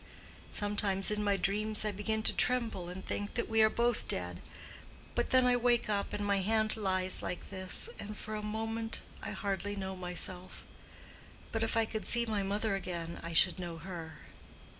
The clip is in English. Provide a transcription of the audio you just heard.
Sometimes in my dreams I begin to tremble and think that we are both dead; but then I wake up and my hand lies like this, and for a moment I hardly know myself. But if I could see my mother again I should know her."